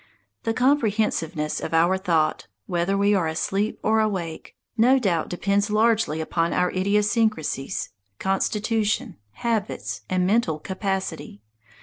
The comprehensiveness of our thought, whether we are asleep or awake, no doubt depends largely upon our idiosyncrasies, constitution, habits, and mental capacity.